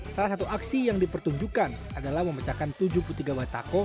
salah satu aksi yang dipertunjukkan adalah memecahkan tujuh puluh tiga batako